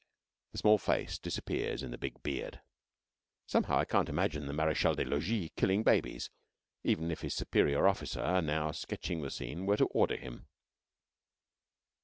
The small face disappears in the big beard. Somehow, I can't imagine the Marechal des Logis killing babies even if his superior officer, now sketching the scene, were to order him!